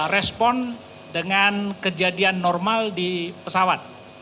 respon dengan kejadian normal di pesawat